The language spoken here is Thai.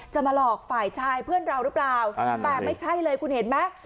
จะมาหลอกฝ่ายชายเพื่อนเราหรือเปล่าแต่ไม่ใช่เลยคุณเห็นไหม